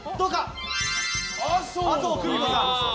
麻生久美子さん。